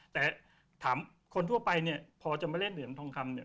แต่ถามคนทั่วไปเนี่ยพอจะมาเล่นเหรียญทองคำเนี่ย